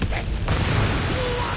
うわっ！